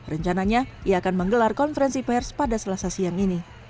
rencananya ia akan menggelar konferensi pers pada selasa siang ini